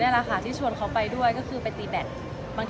พี่ตรอตก็ให้กำลังใจขอสอนุนในหลายด้านด้วย